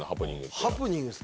ハプニングですか。